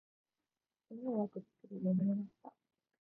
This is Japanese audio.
昨日はぐっすり眠れました。